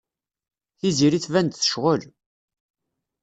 Tiziri tban-d tecɣel.